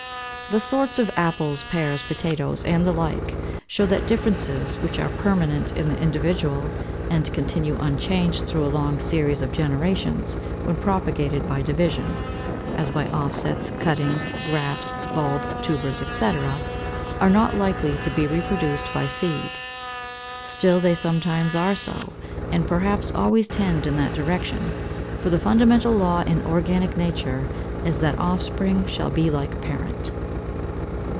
The sorts of Apples, Pears, Potatoes, and the like, show that differences which are permanent in the individual, and continue unchanged through a long series of generations when propagated by division (as by offsets, cuttings, grafts, bulbs, tubers, etc.), are not likely to be reproduced by seed. Still they sometimes are so, and perhaps always tend in that direction. For the fundamental law in organic nature is that offspring shall be like parent.